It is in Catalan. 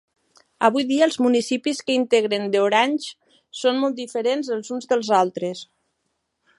Avui dia, els municipis que integren The Oranges són molt diferents els uns dels altres.